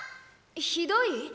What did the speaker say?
ひどい？